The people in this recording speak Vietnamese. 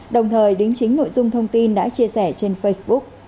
đồng thời đính chính nội dung thông tin đã chia sẻ trên facebook